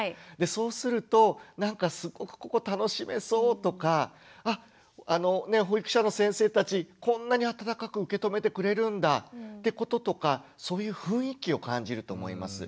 そうすると「なんかすごくここ楽しめそう」とか「あ保育者の先生たちこんなに温かく受け止めてくれるんだ」ってこととかそういう雰囲気を感じると思います。